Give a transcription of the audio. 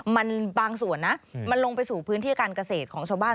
มันบางส่วนนะมันลงไปสู่พื้นที่การเกษตรของชาวบ้าน